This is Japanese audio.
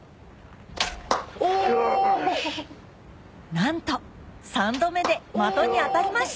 ・なんと３度目で的に当たりました！